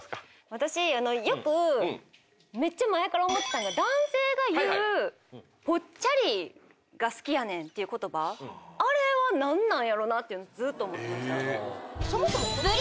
私よくめっちゃ前から思ってたんが男性が言う「ぽっちゃりが好きやねん」っていう言葉あれは何なんやろな？っていうのずっと思ってました。